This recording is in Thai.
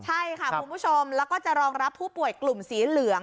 ใช่ค่ะคุณผู้ชมแล้วก็จะรองรับผู้ป่วยกลุ่มสีเหลือง